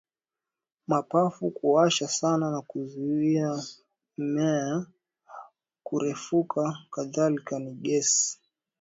mapafu kuwasha sana na kuzuia mimea kurefuka Kadhalika ni gesi